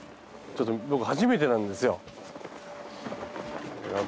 ちょっと僕初めてなんですよ。